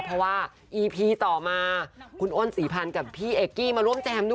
เพราะว่าอีพีต่อมาคุณอ้นศรีพันธ์กับพี่เอกกี้มาร่วมแจมด้วย